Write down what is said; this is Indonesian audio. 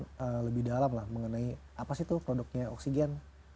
untuk mengenal kan lebih dalam lah mengenai apa sih tuh produknya oxygene